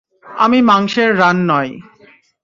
আমি মাংসের রান নয়।